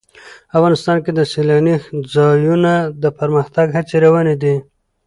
افغانستان کې د سیلانی ځایونه د پرمختګ هڅې روانې دي.